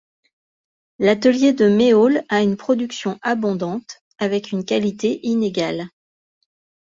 L’atelier de Méaulle a une production abondante, avec une qualité inégale.